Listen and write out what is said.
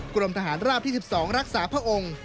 กรมทหารราบที่๑๒รักษาพระองค์